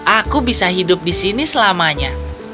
aku bisa hidup di sini selamanya